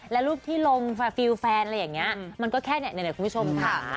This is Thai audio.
และรูปที่ลงฟิลแฟนอะไรอย่างนี้มันก็แค่เนี่ยคุณผู้ชมค่ะ